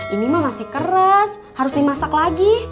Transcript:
ini mah masih keras harus dimasak lagi